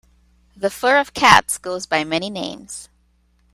The fur of cats goes by many names.